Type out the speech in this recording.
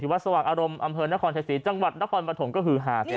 ที่วัดสวัสดีอารมณ์อำเภอนครไทยศรีจังหวัดนครบรถมก็คือหาดเนี่ย